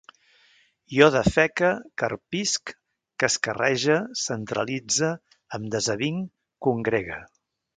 Jo defeque, carpisc, cascarrege, centralitze, em desavinc, congregue